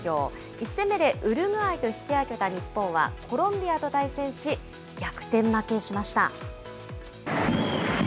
１戦目でウルグアイと引き分けた日本は、コロンビアと対戦し、逆転負けしました。